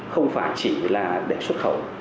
không phải chỉ là để xuất khẩu